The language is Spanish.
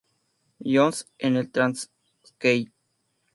Johns en el Transkei.